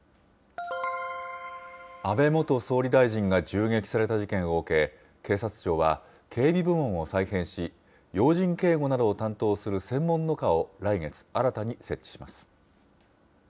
安倍元総理大臣が銃撃された事件を受け、警察庁は、警備部門を再編し、要人警護などを担当する専門の課を、来月、新たに設置します。